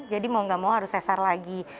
jadi mau nggak mau harus sesar lagi